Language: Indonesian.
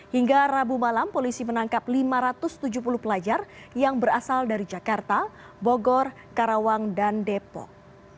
hingga rabu malam polisi menangkap lima ratus tujuh puluh pelajar yang berasal dari jakarta bogor karawang dan depok